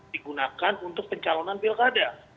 digunakan untuk pencalonan pilkade